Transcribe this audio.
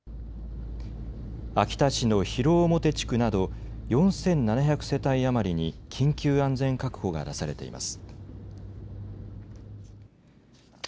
秋田市の広面地区など４７００世帯余りに緊急安全確保が出されています。